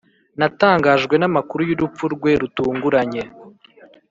natangajwe n'amakuru y'urupfu rwe rutunguranye.